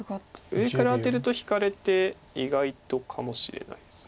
上からアテると引かれて意外とかもしれないです。